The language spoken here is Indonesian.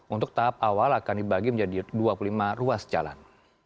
untuk tahap awal akan dibagi menjadi dua puluh lima ruas jalan